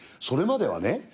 それまではね